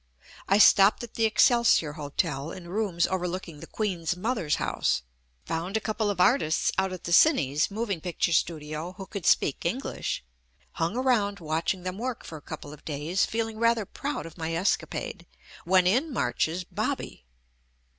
I stopped at the Excelsior Hotel in rooms overlooking the "Queen Mother's" house, found a couple of artists out at the "Cines" moving picture studio who could speak English, hung around watch ing them work for a couple of days, feeling rather proud of my escapade, when in marches "Bobby."